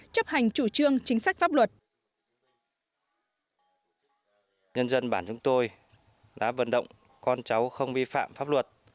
chấp hành chủ trương chính sách pháp luật